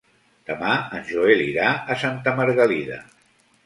Demà en Joel irà a Santa Margalida.